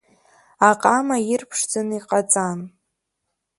Аҟама ирԥшӡаны иҟаҵан.